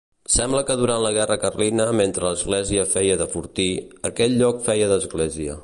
Sembla que durant la guerra carlina mentre l'església feia de fortí, aquell lloc feia d'església.